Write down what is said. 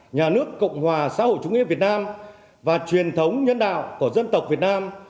nhà nước cộng hòa xã hội chủ nghĩa việt nam và truyền thống nhân đạo của dân tộc việt nam